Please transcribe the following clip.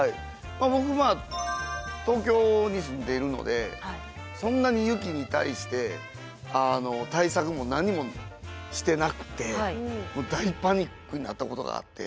僕まあ東京に住んでいるのでそんなに雪に対して対策も何もしてなくて大パニックになったことがあって。